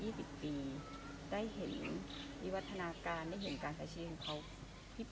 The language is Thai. มีการแบบแถลงกันว่าเออมีเงินหมุนเบียน๕บัญชีรม๒๐ล้านอะไรอย่างนี้ค่ะ